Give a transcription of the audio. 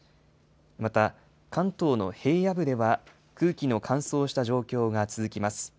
また、関東の平野部では空気の乾燥した状況が続きます。